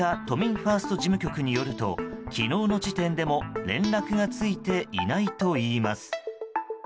ファースト事務局によると昨日の時点でも連絡がついていないといいます。